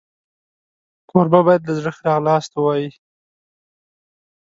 کوربه باید له زړه ښه راغلاست ووایي.